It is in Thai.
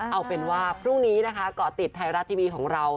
เอาเป็นว่าพรุ่งนี้นะคะเกาะติดไทยรัฐทีวีของเรา